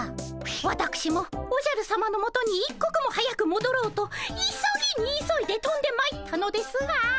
わたくしもおじゃるさまのもとに一刻も早くもどろうと急ぎに急いでとんでまいったのですが。